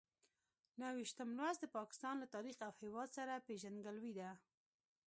نهه ویشتم لوست د پاکستان له تاریخ او هېواد سره پېژندګلوي ده.